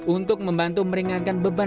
untuk membantu meringankan beban